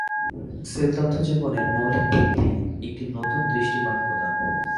Sell তত্ত্ব জীবনের মৌলিক ভিত্তি একটি নতুন দৃষ্টিকোণ প্রদান।